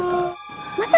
masa nggak tahu